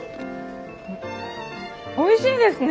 おいしいですね！